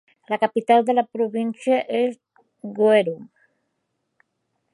La capital de la província és Gweru.